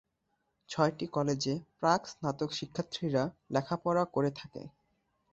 ছয়টি কলেজে প্রাক-স্নাতক শিক্ষার্থীরা লেখাপড়া করে থাকে।